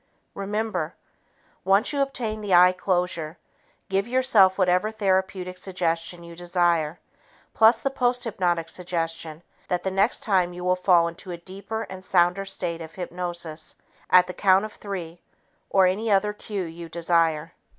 Remember, once you obtain the eye closure, give yourself whatever therapeutic suggestion you desire plus the posthypnotic suggestion that the next time you will fall into a deeper and sounder state of hypnosis at the count of three or any other cue you desire.